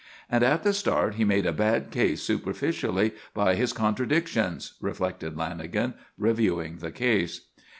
"And at the start he made a bad case, superficially, by his contradictions," reflected Lanagan, reviewing the case.